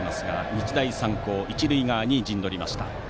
日大三高、一塁側に陣取りました。